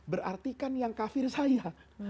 berarti kan yang kafir saya